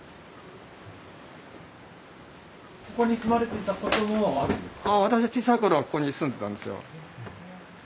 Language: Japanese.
ここに住まれていたことはあるんですか？